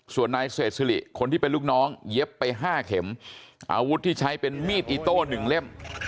ส่วนนายเศษสิริคนที่เป็นลูกน้องเย็บไป๕เข็มอาวุธที่ใช้เป็นมีดอิโต้๑เล่ม